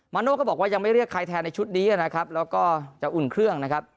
โน่ก็บอกว่ายังไม่เรียกใครแทนในชุดนี้นะครับแล้วก็จะอุ่นเครื่องนะครับ